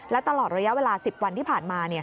และตลอดระยะเวลา๑๐วันที่ผ่านมา